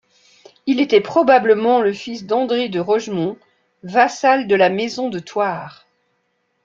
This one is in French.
Il était probablement le fils d’André de Rogemont, vassal de la maison de Thoire.